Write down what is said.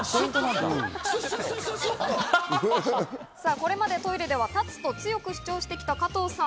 これまでトイレでは立つと強く主張してきた加藤さん。